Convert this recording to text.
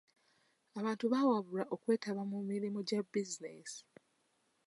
Abantu bawabulwa okwetaba mu mirimu gya bizinensi.